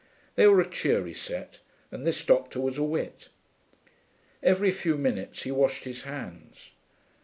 They were a cheery set, and this doctor was a wit. Every few minutes he washed his hands.